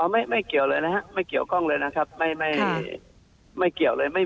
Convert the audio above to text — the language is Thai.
ไม่ไม่เกี่ยวเลยนะครับไม่เกี่ยวข้องเลยนะครับไม่ไม่เกี่ยวเลย